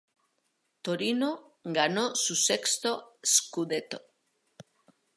Torino ganó su sexto "scudetto".